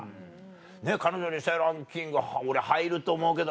彼女にしたいランキング俺入ると思うけど。